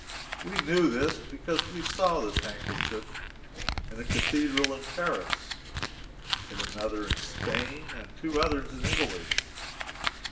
We knew this, because we saw this handkerchief in a cathedral in Paris, in another in Spain, and in two others in Italy.